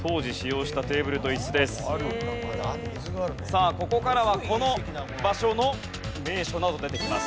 さあここからはこの場所の名所など出てきます。